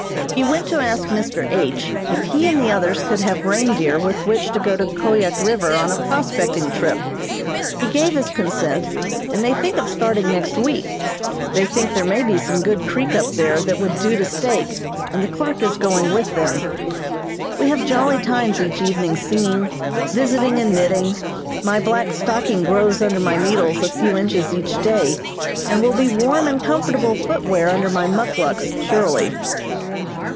He went to ask Mr. H. if he and the others could have reindeer with which to go to Koyuk River on a prospecting trip. He gave his consent and they think of starting next week. They think there may be some good creek up there that would do to stake, and the clerk is going with them. We have jolly times each evening singing, visiting and knitting. My black stocking grows under my needles a few inches each day, and will be warm and comfortable footwear under my muckluks surely.